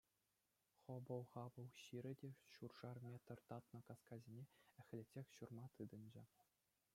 Хӑпӑл-хапӑл ҫирӗ те ҫуршар метр татнӑ каскасене эхлетсех ҫурма тытӑнчӗ.